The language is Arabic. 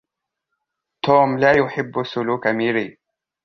توم لا يحب سلوك ميري.